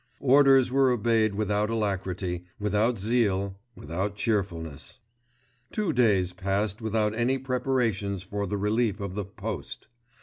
Orders were obeyed without alacrity, without zeal, without cheerfulness. Two days passed without any preparations for the relief of the "Post."